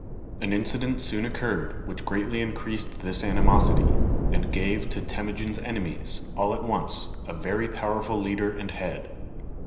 An incident soon occurred which greatly increased this animosity, and gave to Temujin's enemies, all at once, a very powerful leader and head.